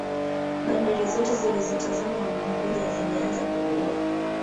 Bandari Zote zilizotazama Unguja zilianza kukua